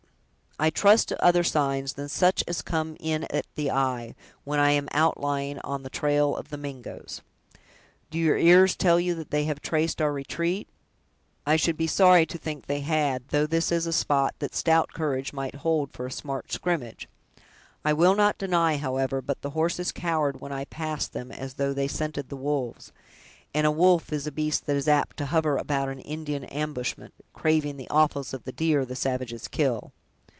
"I trust to other signs than such as come in at the eye, when I am outlying on the trail of the Mingoes." "Do your ears tell you that they have traced our retreat?" "I should be sorry to think they had, though this is a spot that stout courage might hold for a smart scrimmage. I will not deny, however, but the horses cowered when I passed them, as though they scented the wolves; and a wolf is a beast that is apt to hover about an Indian ambushment, craving the offals of the deer the savages kill."